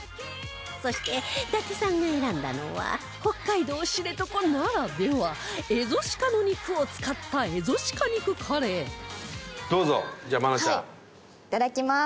そして伊達さんが選んだのは北海道知床ならではエゾシカの肉を使ったエゾシカ肉カレーいただきます。